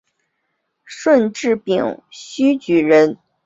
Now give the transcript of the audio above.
顺治丙戌举人。